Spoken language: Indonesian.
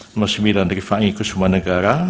nomor sembilan rifai kusuma negara